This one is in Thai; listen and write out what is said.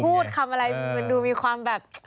พูดคำอะไรมันดูมีความแบบ